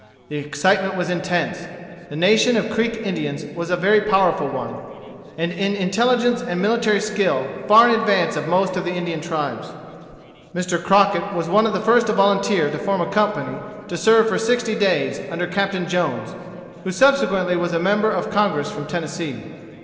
The excitement was intense. The nation of Creek Indians was a very powerful one, and in intelligence and military skill far in advance of most of the Indian tribes. Mr. Crockett was one of the first to volunteer to form a company to serve for sixty days, under Captain Jones, who subsequently was a member of Congress from Tennessee.